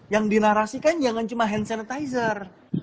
yang dinarasikan jangan cuma hand sanitizer